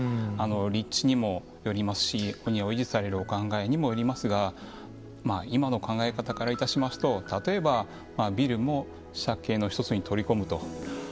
立地にもよりますし維持されるお考えにもよりますが今の考え方からいたしますと例えばビルも借景の１つに取り込むと。